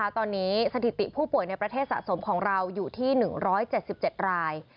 ตอนนี้สถิติผู้ป่วยในประเทศสะสมของเราอยู่ที่๑๗๗ราย